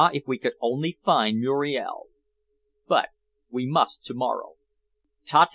if we could only find Muriel! But we must to morrow. Ta ta!